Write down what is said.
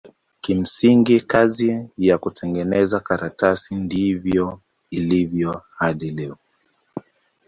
Kimsingi kazi ya kutengeneza karatasi ndivyo ilivyo hadi leo.